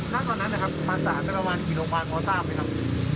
แล้วตอนนั้นมาสระเป็นประมาณกี่โรงพยาบาลพอทราบไหมครับ